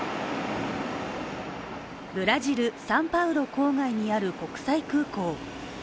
ブラジル・サンパウロ郊外にある国際空港。